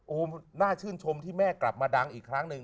โอ้โหน่าชื่นชมที่แม่กลับมาดังอีกครั้งหนึ่ง